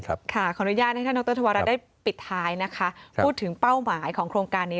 ขออนุญาตให้ท่านดรธวรัฐได้ปิดท้ายนะคะพูดถึงเป้าหมายของโครงการนี้